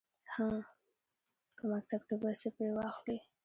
_هه! په مکتب کې به څه پرې واخلې.